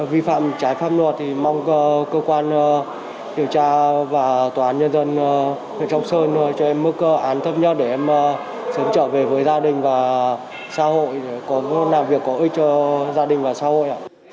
vì phạm trái pháp luật thì mong cơ quan điều tra và tòa án nhân dân trọng sơn cho em mức án thấp nhất để em sớm trở về với gia đình và xã hội để có làm việc có ưu cho gia đình và xã hội ạ